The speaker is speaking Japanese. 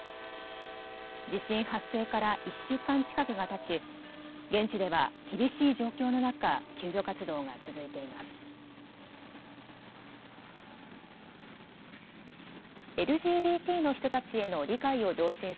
地震発生から１週間近くがたち現地では厳しい状況の中、救助活動が続いています。